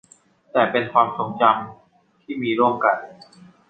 แต่เป็นความทรงจำที่มีร่วมกัน